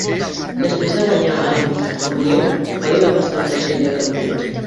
Després de guanyar a Mid-Ohio, Fabi va passar al tercer lloc en punts.